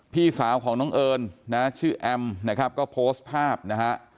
พี่สาวของน้องเอิญนะชื่อแอมนะครับก็โพสต์ภาพนะฮะ